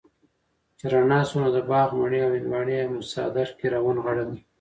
چې رڼا شوه نو د باغ مڼې او هندواڼې مو څادر کي را ونغاړلې